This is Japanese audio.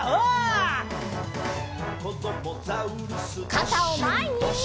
かたをまえに！